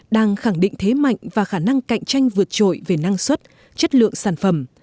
đang khẳng định thế mạnh và khả năng cạnh tranh vượt trội về năng suất chất lượng sản phẩm